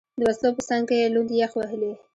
د وسلو په څنګ کې، لوند، یخ وهلی.